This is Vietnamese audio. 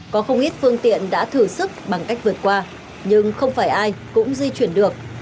có không ít phương tiện đã thử sức bằng cách vượt qua nhưng không phải ai cũng di chuyển được